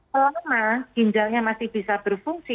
selama ginjalnya masih bisa berfungsi